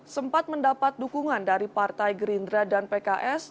sempat mendapat dukungan dari partai gerindra dan pks